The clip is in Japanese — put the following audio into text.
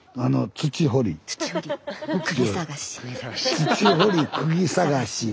「土掘り釘探し」。